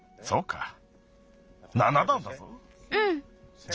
そうか。